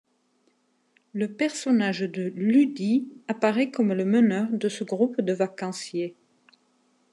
Le personnage de Ludi apparaît comme le meneur de ce groupe de vacanciers.